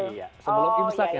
iya sebelum imsak ya